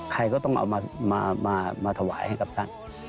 ใครก็ต้องเอามาถวายให้กับท่าน